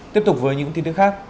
tiếp tục với những tin tức khác